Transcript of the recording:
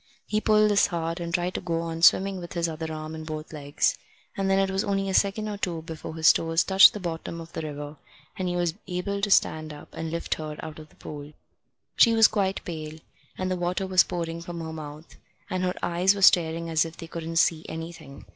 He pulled this hard, and tried to go on swimming with his other arm and both legs; and then it was only a second or two before his toes touched the bottom of the river, and he was able to stand up and lift her out of the pool. She was quite pale, and the water was pouring from her mouth, and her eyes were staring as if they couldn't see anything.